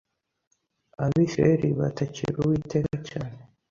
Abisirayeli batakira Uwiteka cyane